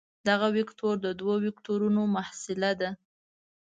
دغه وکتور د دوو وکتورونو محصله ده.